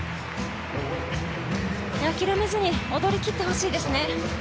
諦めずに踊りきってほしいですね。